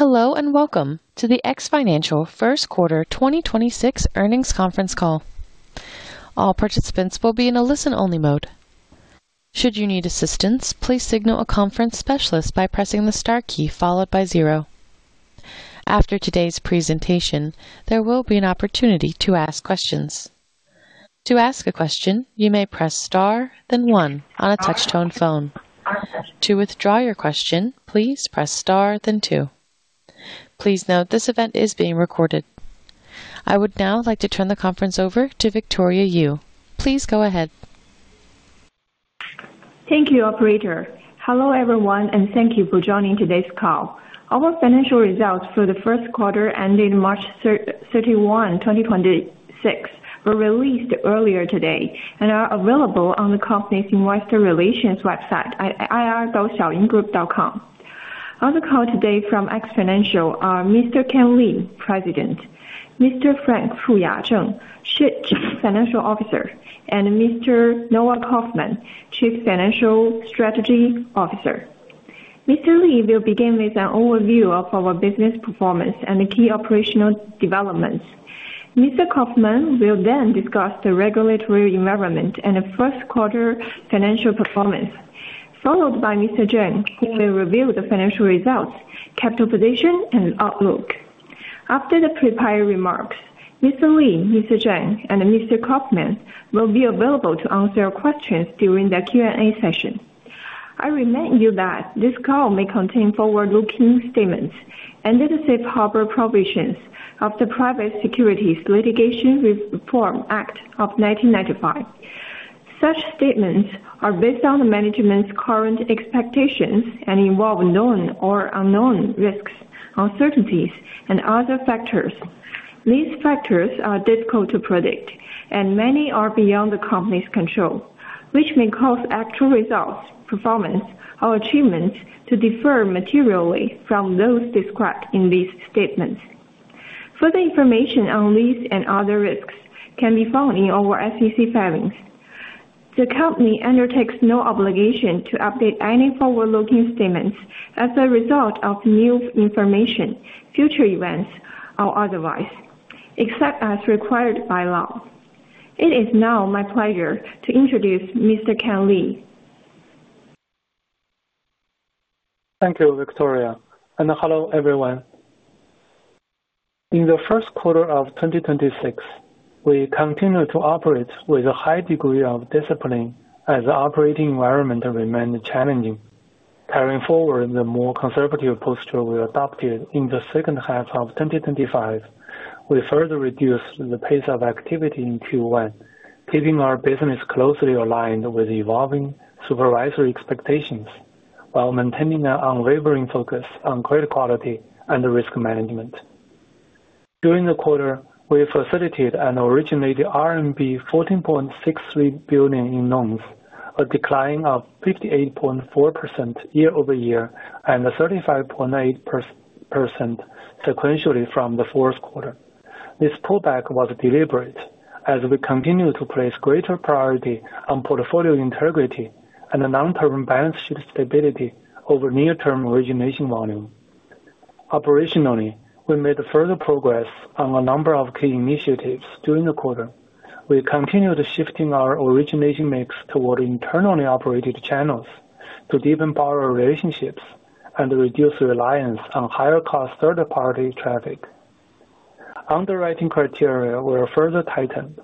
Hello and welcome to the X Financial first quarter 2026 earnings conference call. All participants will be in a listen-only mode. Should you need assistance, please signal a conference specialist by pressing the star key followed by zero. After today's presentation, there will be an opportunity to ask questions. To ask a question, you may press star then one on a touch-tone phone. To withdraw your question, please press star then two. Please note this event is being recorded. I would now like to turn the conference over to Victoria Yu. Please go ahead. Thank you, operator. Hello, everyone, and thank you for joining today's call. Our financial results for the first quarter ending March 31st, 2026 were released earlier today and are available on the company's investor relations website at ir.xiaoyinggroup.com. On the call today from X Financial are Mr. Kent Li, President, Mr. Frank Fuya Zheng, Chief Financial Officer, and Mr. Noah Kauffman, Chief Financial Strategy Officer. Mr. Li will begin with an overview of our business performance and the key operational developments. Mr. Kauffman will then discuss the regulatory environment and the first quarter financial performance, followed by Mr. Zheng, who will review the financial results, capital position, and outlook. After the prepared remarks, Mr. Li, Mr. Zheng, and Mr. Kauffman will be available to answer your questions during the Q&A session. I remind you that This call may contain forward-looking statements and that the safe harbor provisions of the Private Securities Litigation Reform Act of 1995. Such statements are based on the management's current expectations and involve known or unknown risks, uncertainties, and other factors. These factors are difficult to predict, and many are beyond the company's control, which may cause actual results, performance, or achievements to differ materially from those described in these statements. Further information on these and other risks can be found in our SEC filings. The company undertakes no obligation to update any forward-looking statements as a result of new information, future events, or otherwise, except as required by law. It is now my pleasure to introduce Mr. Kent Li. Thank you, Victoria, and hello, everyone. In the first quarter of 2026, we continued to operate with a high degree of discipline as the operating environment remained challenging. Carrying forward the more conservative posture we adopted in the second half of 2025, we further reduced the pace of activity in Q1, keeping our business closely aligned with evolving supervisory expectations while maintaining an unwavering focus on credit quality and risk management. During the quarter, we facilitated and originated RMB 14.63 billion in loans, a decline of 58.4% year-over-year and 35.8% sequentially from the fourth quarter. This pullback was deliberate as we continue to place greater priority on portfolio integrity and long-term balance sheet stability over near-term origination volume. Operationally, we made further progress on a number of key initiatives during the quarter. We continued shifting our origination mix toward internally operated channels to deepen borrower relationships and reduce reliance on higher-cost third-party traffic. Underwriting criteria were further tightened,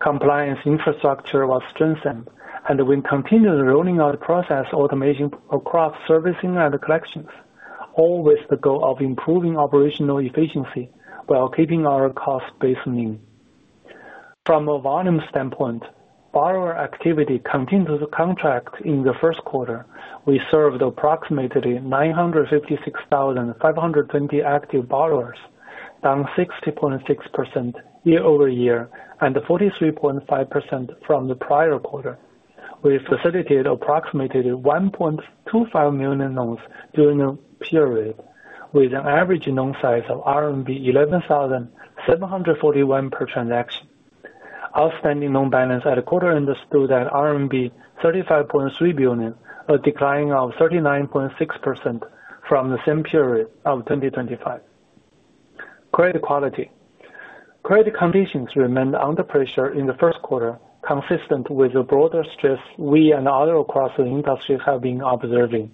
compliance infrastructure was strengthened, and we continued rolling out process automation across servicing and collections, all with the goal of improving operational efficiency while keeping our cost base. From a volume standpoint, borrower activity continued to contract in the first quarter. We served approximately 956,520 active borrowers, down 60.6% year-over-year and 43.5% from the prior quarter. We facilitated approximately 1.25 million loans during the period, with an average loan size of RMB 11,741 per transaction. Outstanding loan balance at quarter end stood at RMB 35.3 billion, a decline of 39.6% from the same period of 2025. Credit quality. Credit conditions remained under pressure in the first quarter, consistent with the broader stress we and others across the industry have been observing.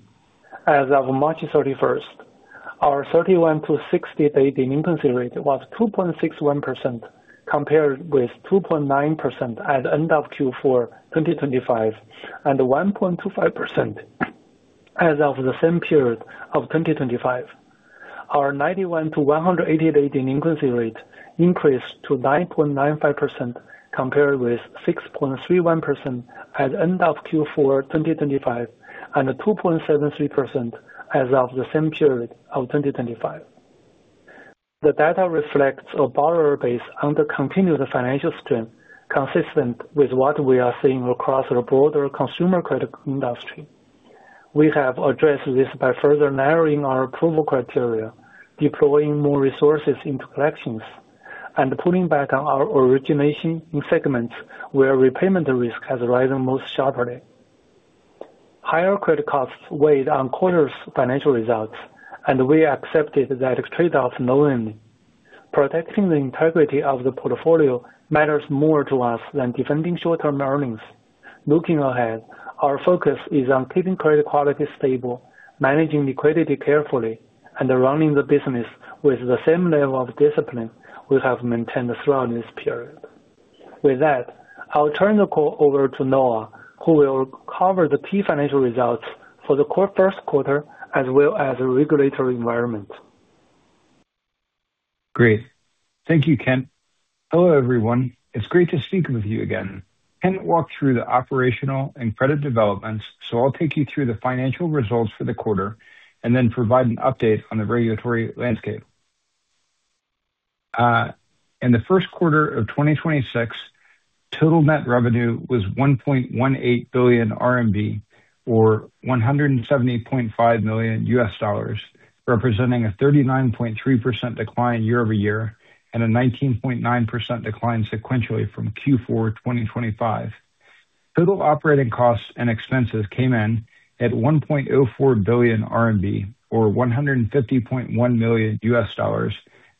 As of March 31st, our 31 to 60-day delinquency rate was 2.61%, compared with 2.9% at end of Q4 2025 and 1.25% as of the same period of 2025. Our 91 to 180-day delinquency rate increased to 9.95%, compared with 6.31% at end of Q4 2025 and 2.73% as of the same period of 2025. The data reflects a borrower base under continuous financial strain, consistent with what we are seeing across the broader consumer credit industry. We have addressed this by further narrowing our approval criteria, deploying more resources into collections, and pulling back on our origination in segments where repayment risk has risen most sharply. Higher credit costs weighed on quarter's financial results. We accepted that trade-off knowingly. Protecting the integrity of the portfolio matters more to us than defending short-term earnings. Looking ahead, our focus is on keeping credit quality stable, managing liquidity carefully, and running the business with the same level of discipline we have maintained throughout this period. With that, I'll turn the call over to Noah, who will cover the key financial results for the first quarter, as well as the regulatory environment. Great. Thank you, Kent. Hello, everyone. It's great to speak with you again. Kent walked through the operational and credit developments. I'll take you through the financial results for the quarter and then provide an update on the regulatory landscape. In the first quarter of 2026, total net revenue was 1.18 billion RMB, or $170.5 million, representing a 39.3% decline year-over-year and a 19.9% decline sequentially from Q4 2025. Total operating costs and expenses came in at 1.04 billion RMB or $150.1 million,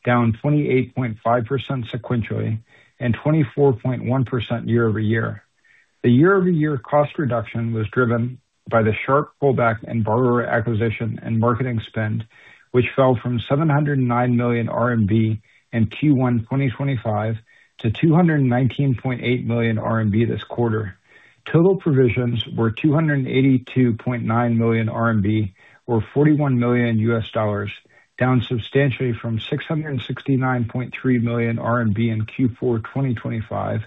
down 28.5% sequentially and 24.1% year-over-year. The year-over-year cost reduction was driven by the sharp pullback in borrower acquisition and marketing spend, which fell from 709 million RMB in Q1 2025 to 219.8 million RMB this quarter. Total provisions were 282.9 million RMB or $41 million, down substantially from 669.3 million RMB in Q4 2025,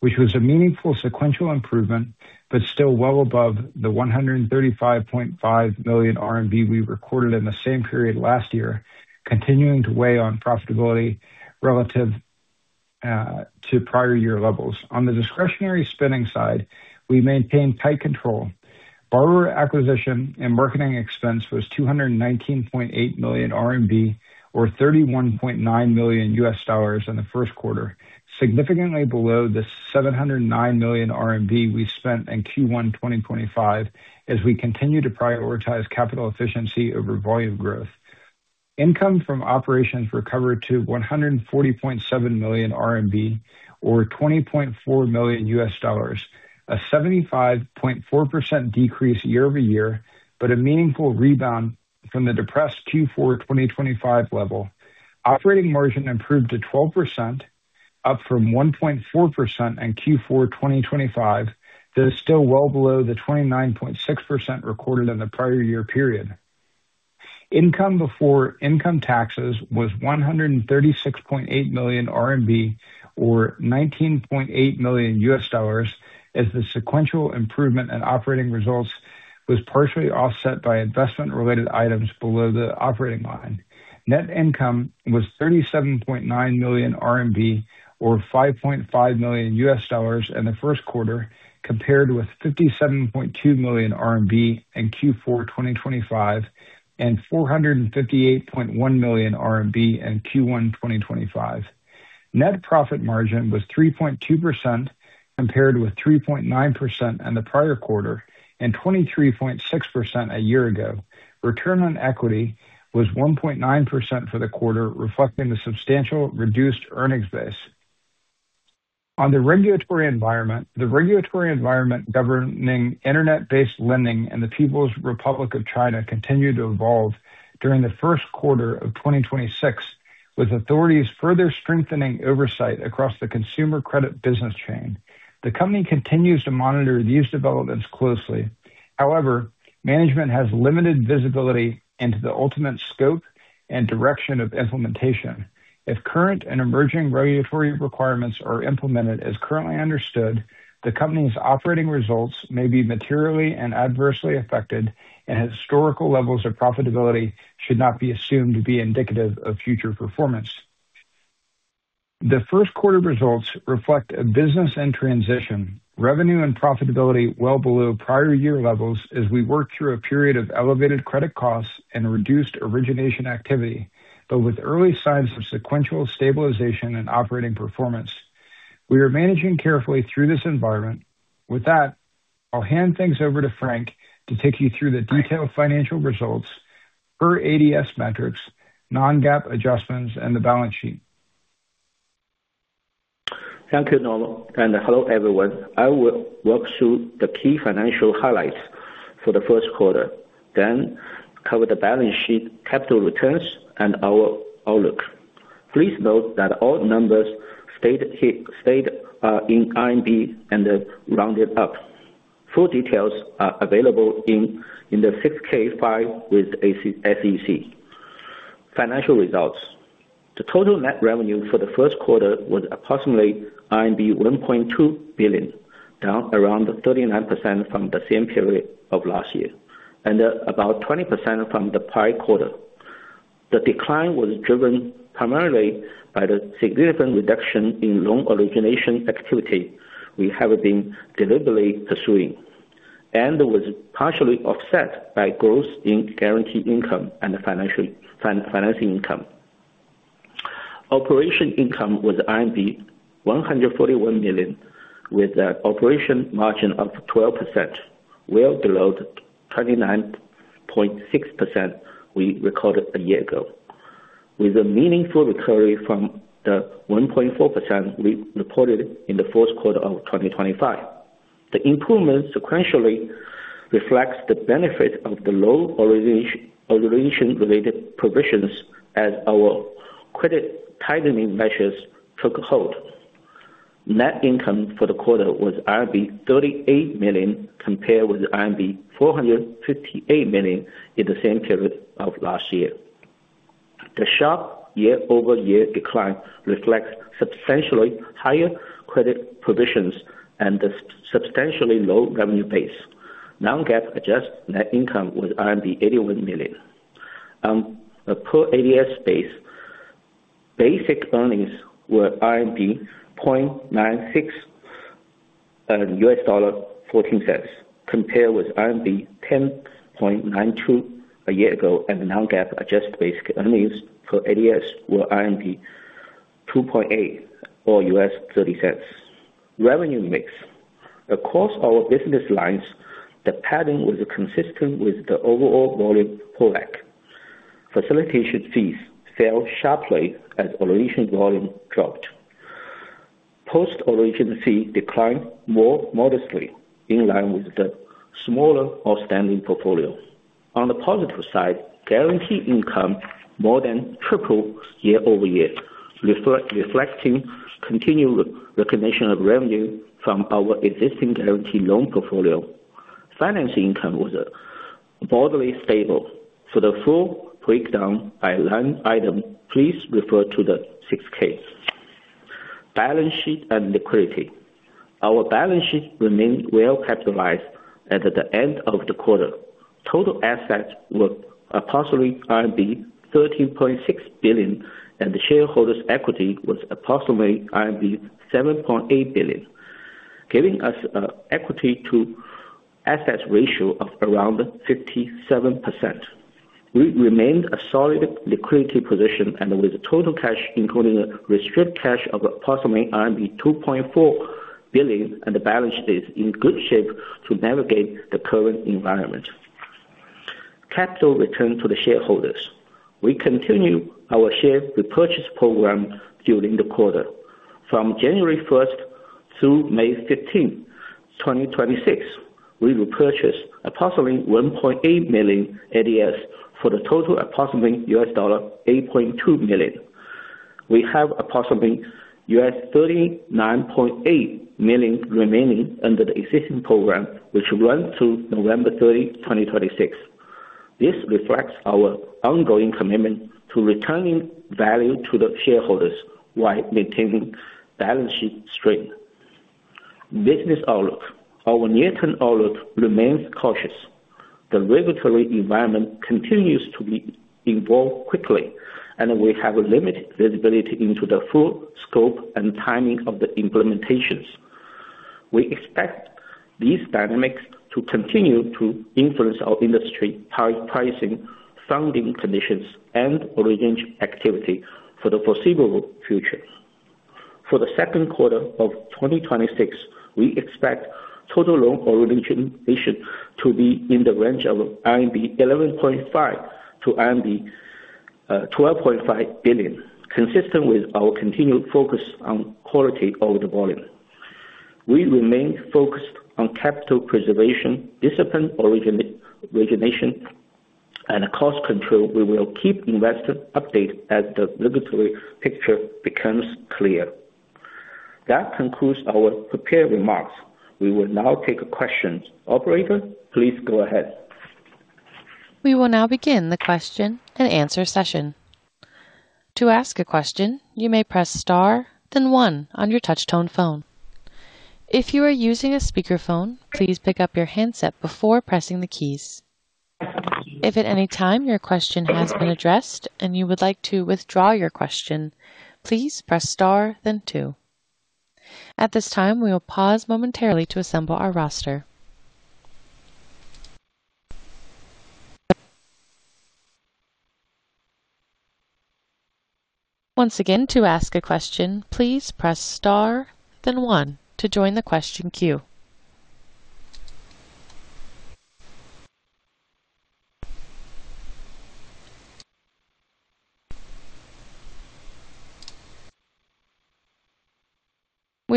which was a meaningful sequential improvement but still well above the 135.5 million RMB we recorded in the same period last year, continuing to weigh on profitability relative to prior year levels. On the discretionary spending side, we maintained tight control. Borrower acquisition and marketing expense was 219.8 million RMB or $31.9 million in the first quarter, significantly below the 709 million RMB we spent in Q1 2025 as we continue to prioritize capital efficiency over volume growth. Income from operations recovered to 140.7 million RMB or $20.4 million, a 75.4% decrease year-over-year, but a meaningful rebound from the depressed Q4 2025 level. Operating margin improved to 12%, up from 1.4% in Q4 2025, that is still well below the 29.6% recorded in the prior year period. Income before income taxes was 136.8 million RMB or $19.8 million as the sequential improvement in operating results was partially offset by investment related items below the operating line. Net income was 37.9 million RMB or $5.5 million in the first quarter, compared with 57.2 million RMB in Q4 2025 and 458.1 million RMB in Q1 2025. Net profit margin was 3.2%, compared with 3.9% in the prior quarter and 23.6% a year ago. Return on equity was 1.9% for the quarter, reflecting the substantial reduced earnings base. On the regulatory environment, the regulatory environment governing internet-based lending in the People's Republic of China continued to evolve during the first quarter of 2026, with authorities further strengthening oversight across the consumer credit business chain. The company continues to monitor these developments closely. However, management has limited visibility into the ultimate scope and direction of implementation. If current and emerging regulatory requirements are implemented as currently understood, the company's operating results may be materially and adversely affected, and historical levels of profitability should not be assumed to be indicative of future performance. The first quarter results reflect a business in transition, revenue and profitability well below prior year levels as we work through a period of elevated credit costs and reduced origination activity, but with early signs of sequential stabilization and operating performance. We are managing carefully through this environment. With that, I'll hand things over to Frank to take you through the detailed financial results per ADS metrics, non-GAAP adjustments, and the balance sheet. Thank you, Noah, and hello, everyone. I will walk through the key financial highlights for the first quarter, then cover the balance sheet, capital returns, and our outlook. Please note that all numbers stated in RMB and rounded up. Full details are available in the 6-K file with SEC. Financial results. The total net revenue for the first quarter was approximately RMB 1.2 billion, down around 39% from the same period of last year, and about 20% from the prior quarter. The decline was driven primarily by the significant reduction in loan origination activity we have been deliberately pursuing and was partially offset by growth in guarantee income and financing income. Operating income was RMB 141 million, with an operating margin of 12%, well below the 29.6% we recorded a year ago, with a meaningful recovery from the 1.4% we reported in the fourth quarter of 2025. The improvement sequentially reflects the benefit of the low origination-related provisions as our credit tightening measures took hold. Net income for the quarter was RMB 38 million, compared with RMB 458 million in the same period of last year. The sharp year-over-year decline reflects substantially higher credit provisions and the substantially low revenue base. Non-GAAP adjusted net income was RMB 81 million. On a per ADS basis, basic earnings were RMB 0.96, $0.14, compared with RMB 10.92 a year ago, and the non-GAAP adjusted basic earnings per ADS were RMB 2.8 or $0.30. Revenue mix. Across our business lines, the pattern was consistent with the overall volume pullback. Facilitation fees fell sharply as origination volume dropped. Post-origination fee declined more modestly, in line with the smaller outstanding portfolio. On the positive side, guarantee income more than tripled year-over-year, reflecting continued recognition of revenue from our existing guarantee loan portfolio. Finance income was broadly stable. For the full breakdown by line item, please refer to the 6-K. Balance sheet and liquidity. Our balance sheet remained well-capitalized at the end of the quarter. Total assets were approximately RMB 13.6 billion, and the shareholders' equity was approximately RMB 7.8 billion, giving us an equity to assets ratio of around 57%. We remained a solid liquidity position, and with total cash, including the restricted cash, of approximately RMB 2.4 billion, and the balance sheet's in good shape to navigate the current environment. Capital return to the shareholders. We continue our share repurchase program during the quarter. From January 1st through May 15th, 2026, we repurchased approximately 1.8 million ADS for a total of approximately $8.2 million. We have approximately $39.8 million remaining under the existing program, which will run through November 30, 2026. This reflects our ongoing commitment to returning value to the shareholders while maintaining balance sheet strength. Business outlook. Our near-term outlook remains cautious. The regulatory environment continues to evolve quickly, and we have limited visibility into the full scope and timing of the implementations. We expect these dynamics to continue to influence our industry pricing, funding conditions, and origination activity for the foreseeable future. For the second quarter of 2026, we expect total loan origination to be in the range of 11.5 billion-12.5 billion RMB. Consistent with our continued focus on quality over the volume. We remain focused on capital preservation, disciplined origination, and cost control. We will keep investors updated as the regulatory picture becomes clear. That concludes our prepared remarks. We will now take questions. Operator, please go ahead. We will now begin the question-and-answer session. To ask a question, you may press star, then one on your touch-tone phone. If you are using a speakerphone, please pick up your handset before pressing the keys. If at any time your question has been addressed and you would like to withdraw your question, please press star, then two. At this time, we will pause momentarily. At this time, we will pause momentarily to assemble our roster. Once again to ask a question press star one to join the question queue.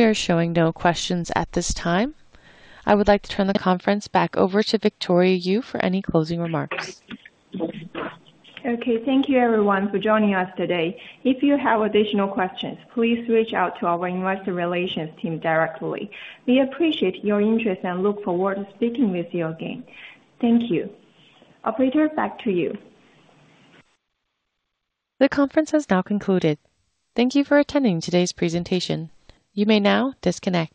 We are showing no questions at this time. I would like to turn the conference back over to Victoria Yu for any closing remarks. Okay. Thank you everyone for joining us today. If you have additional questions, please reach out to our investor relations team directly. We appreciate your interest and look forward to speaking with you again. Thank you. Operator, back to you. The conference has now concluded. Thank you for attending today's presentation. You may now disconnect.